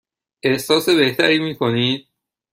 احساس بهتری می کنید؟